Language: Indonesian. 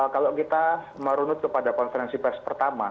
kalau kita merunut kepada konferensi pers pertama